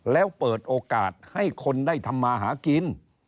แล้วเปิดโอกาสให้คนได้ทำมาหากิน